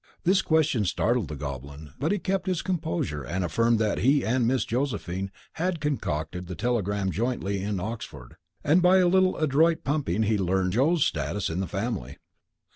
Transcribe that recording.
This question startled the Goblin, but he kept his composure and affirmed that he and Miss Josephine had concocted the telegram jointly in Oxford. And by a little adroit pumping he learned "Joe's" status in the family.